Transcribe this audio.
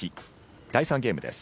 第３ゲームです。